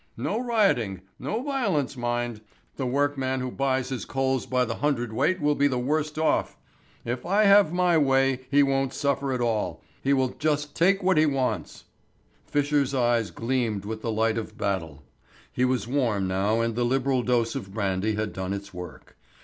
No rioting, no violence, mind. The workman who buys his coals by the hundredweight will be the worst off. If I have my way, he won't suffer at all he will just take what he wants." Fisher's eyes gleamed with the light of battle. He was warm now and the liberal dose of brandy had done its work.